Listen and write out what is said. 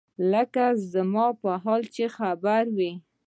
لکه زما پر حال چې خبر وي.